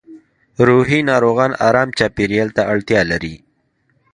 روحي ناروغان ارام چاپېریال ته اړتیا لري